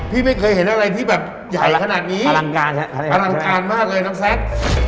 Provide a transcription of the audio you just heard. พี่ไม่เคยเห็นอะไรที่แบบใหญ่ขนาดนี้อลังการฮะอลังการมากเลยน้องแซค